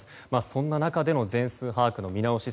そんな中での全数把握の見直し